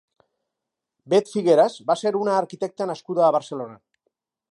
Bet Figueras va ser una arquitecta nascuda a Barcelona.